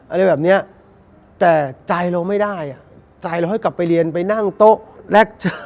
อะไรแบบเนี้ยแต่ใจเราไม่ได้อ่ะใจเราให้กลับไปเรียนไปนั่งโต๊ะแรกเจอ